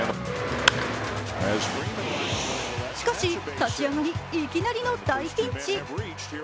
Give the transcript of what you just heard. しかし、立ち上がり、いきなりの大ピンチ。